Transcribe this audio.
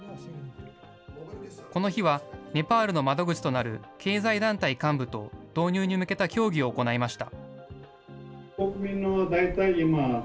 この日は、ネパールの窓口となる経済団体幹部と、導入に向けた協議を行いました。